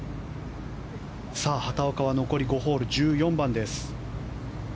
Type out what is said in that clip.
畑岡は残り５ホール１４番です。